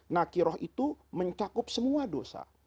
nakiroh itu mencakup semua dosa